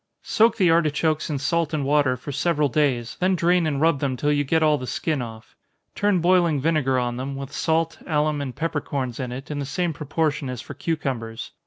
_ Soak the artichokes in salt and water, for several days, then drain and rub them till you get all the skin off. Turn boiling vinegar on them, with salt, alum, and peppercorns in it, in the same proportion as for cucumbers.